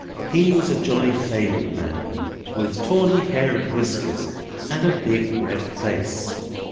He was a jolly favoured man, with tawny hair and whiskers, and a big red face.